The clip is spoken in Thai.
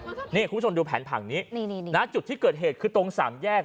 คุณผู้ชมดูแผนผังนี้นี่นะจุดที่เกิดเหตุคือตรงสามแยก